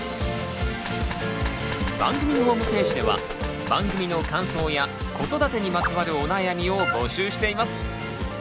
番組のホームページでは番組の感想や子育てにまつわるお悩みを募集しています。